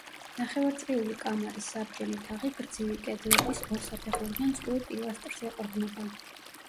ნახევარწრიული კამარის საბჯენი თაღი გრძივი კედლების ორსაფეხურიან წყვილ პილასტრს ეყრდნობა.